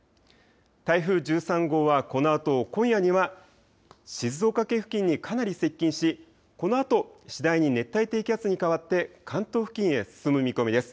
台風１３号はこのあと今夜には静岡県付近にかなり接近しこのあと次第に熱帯低気圧に変わって関東付近へ進む見込みです。